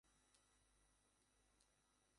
মুসা সিরিয়ার জাতীয় পরিষদের প্রতিষ্ঠাতা সদস্য ছিলেন।